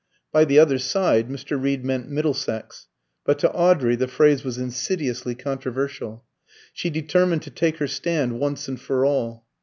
By "the other side" Mr. Reed meant Middlesex, but to Audrey the phrase was insidiously controversial. She determined to take her stand once and for all.